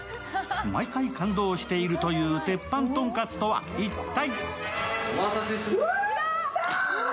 毎回感動しているという鉄板豚カツとは一体？